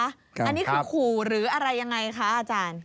อันนี้คือขู่หรืออะไรยังไงคะอาจารย์